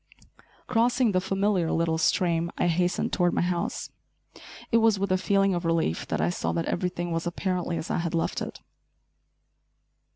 Crossing the familiar little stream, I hastened toward my house. It was with a feeling of relief that I saw that everything was apparently as I had left it.